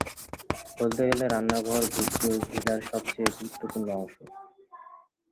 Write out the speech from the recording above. বলতে গেলে রান্নাঘর গুপ্ত ভিলার সবচেয়ে গুরুত্বপূর্ণ অংশ।